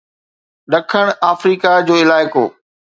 ڏکڻ آفريڪا جو علائقو